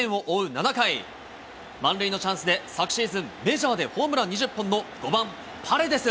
７回、満塁のチャンスで昨シーズン、メジャーでホームラン２０本の、５番パレデス。